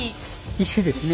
石ですね。